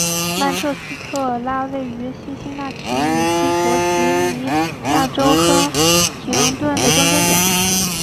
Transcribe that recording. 曼彻斯特位于辛辛那提与西弗吉尼亚州亨廷顿的中间点。